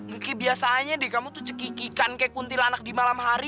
gak kayak biasanya deh kamu tuh cekikikan kayak kuntilanak di malam hari